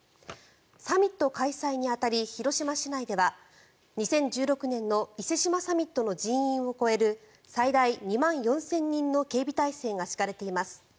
サミット開催に当たり広島市内では２０１６年の伊勢志摩サミットの人員を超える最大２万４０００人の警備態勢が敷かれています。